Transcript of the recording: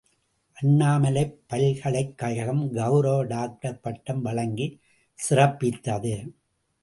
● அண்ணாமலைப் பல்கலைக்கழகம் கெளரவ டாக்டர் பட்டம் வழங்கிச் சிறப்பித்தது.